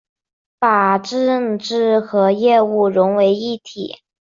把政治和业务融为一体